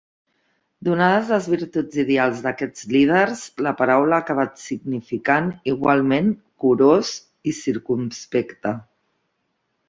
Donades les virtuts ideals d'aquests líders, la paraula ha acabat significant igualment 'curós' i 'circumspecte'.